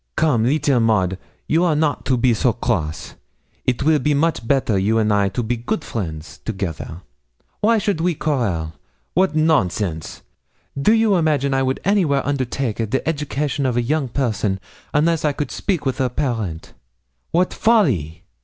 'Come, leetle Maud, you are not to be so cross; it will be much better you and I to be good friends together. Why should a we quarrel? wat nonsense! Do you imagine I would anywhere undertake a the education of a young person unless I could speak with her parent? wat folly!